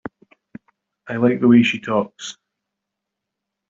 I like the way she talks.